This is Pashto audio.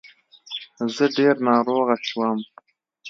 زه ډير ناروغه شوم